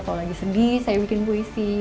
kalau lagi sedih saya bikin puisi